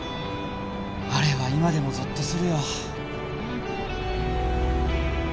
あれは今でもゾッとするよ。